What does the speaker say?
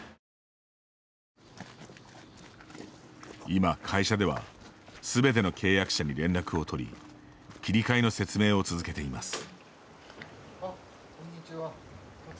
今、会社ではすべての契約者に連絡を取り切り替えの説明を続けています。